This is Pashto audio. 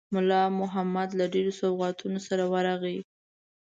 مُلا محمد له ډېرو سوغاتونو سره ورغی.